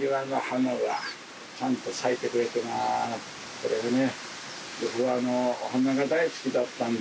それでね。